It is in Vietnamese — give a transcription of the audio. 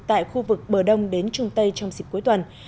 tại khu vực bờ đông đến trung tây trong dịp cuối tuần